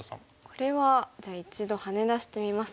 これはじゃあ一度ハネ出してみますか。